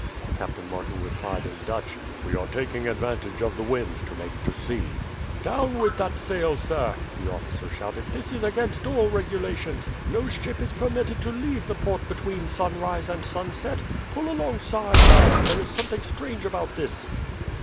Captain Martin replied in Dutch. "We are taking advantage of the wind to make to sea." "Down with that sail, sir!" the officer shouted: "this is against all regulations. No ship is permitted to leave the port between sunrise and sunset. Pull alongside, lads; there is something strange about this!"